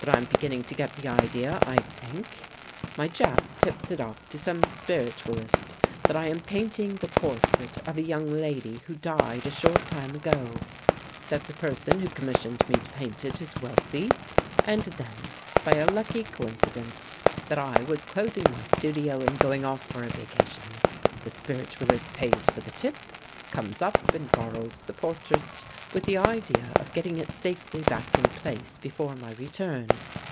But I'm beginning to get the idea, I think. My Jap tips it off to some spiritualist that I am painting the portrait of a young lady who 82 THE FACE UNDER THE PAINT died a short time ago; that the person who com missioned me to paint it is wealthy, and then, by a lucky coincidence, that I was closing my studio and going off for a vacation. The spiritualist pays for the tip, comes up and borrows the portrait, with the idea of getting it safely back in place before my re turn.